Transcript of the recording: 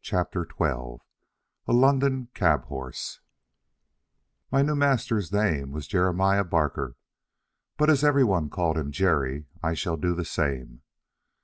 CHAPTER XII A LONDON CAB HORSE My new master's name was Jeremiah Barker, but as every one called him Jerry, I shall do the same.